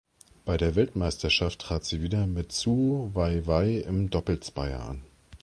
Bei der Weltmeisterschaft trat sie wieder mit Zhu Weiwei im Doppelzweier an.